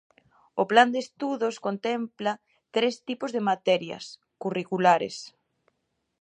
O plan de estudos contempla tres tipos de materias: curriculares.